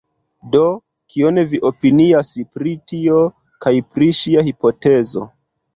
Do, kion vi opinias pri tio? kaj pri ŝia hipotezo?